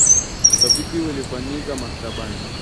Utafiti huu ulifanyika maktabani